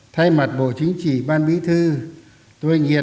thay mặt bộ chính trị ban bí thư tôi nghiệt liệt